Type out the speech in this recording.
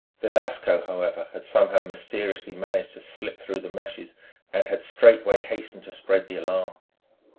Velasco, however, had somehow mysteriously managed to slip through the meshes and had straightway hastened to spread the alarm.